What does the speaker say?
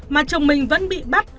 mà chồng mình vẫn bị bắt